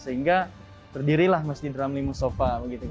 sehingga terdiri lah masjid ramli musofa